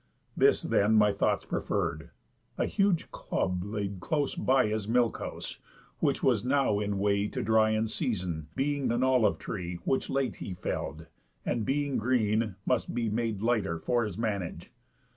This then my thoughts preferr'd: A huge club lay Close by his milk house, which was now in way To dry and season, being an olive tree Which late he fell'd, and, being green, must be Made lighter for his manage.